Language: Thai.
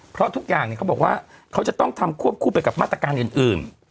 เพราะทุกอย่างเขาบอกว่าเขาจะต้องทำควบคู่ไปกับมาตรการอื่น